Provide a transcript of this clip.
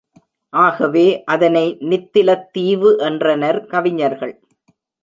ஆகவே அதனை நித்திலத் தீவு என்றனர் கவிஞர்கள்.